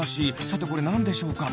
さてこれなんでしょうか？